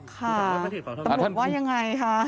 ค่ะตำรวจว่ายังไงคะ